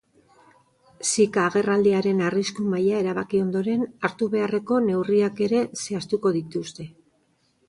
Zika agerraldiaren arrisku maila erabaki ondoren, hartu beharreko neurriak ere zehaztuko dituzte.